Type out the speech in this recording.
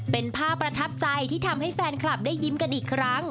เป็นภาพประทับใจที่ทำให้แฟนคลับได้ยิ้มกันอีกครั้ง